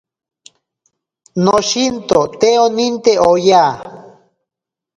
Noshinto te oninte oya.